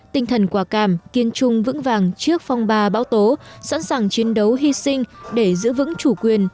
tinh thần quả cảm kiên trung vững vàng trước phong ba bão tố sẵn sàng chiến đấu hy sinh để giữ vững chủ quyền